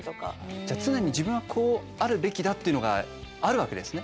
じゃあ常に自分はこうあるべきだっていうのがあるわけですね。